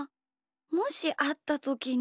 もしあったときに。